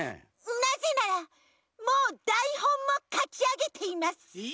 なぜならもうだいほんもかきあげています！え！？